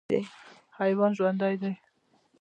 حیوان ژوندی دی.